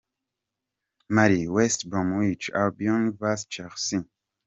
Mar, West Bromwich Albion vs Chelsea.